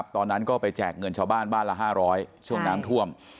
ตอนนั้นก็ไปแจกเงินชาวบ้านบ้านละ๕๐๐ช่วงน้ำท่วม